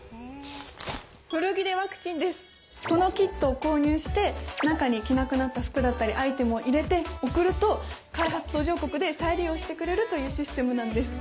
このキットを購入して中に着なくなった服だったりアイテムを入れて送ると開発途上国で再利用してくれるというシステムなんです。